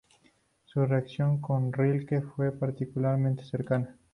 Su relación con Rilke fue particularmente cercana.